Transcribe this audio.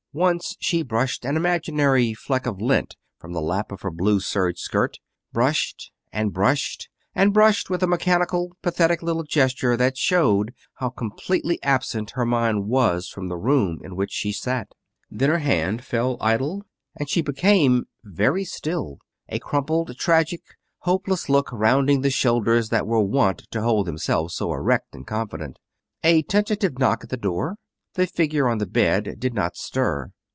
Once she brushed an imaginary fleck of lint from the lap of her blue serge skirt brushed, and brushed and brushed, with a mechanical, pathetic little gesture that showed how completely absent her mind was from the room in which she sat. Then her hand fell idle, and she became very still, a crumpled, tragic, hopeless look rounding the shoulders that were wont to hold themselves so erect and confident. A tentative knock at the door. The figure on the bed did not stir.